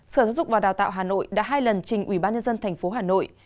sở giáo dục và đào tạo hà nội đã hai lần trình ubnd tp hà nội